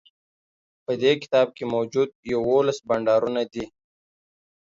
په دې کتاب کی موجود یوولس بانډارونه دي